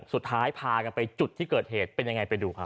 สุดท้ายพากันไปจุดที่เกิดเหตุเป็นยังไงไปดูครับ